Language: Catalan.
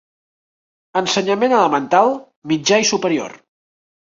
Ensenyament elemental, mitjà i superior.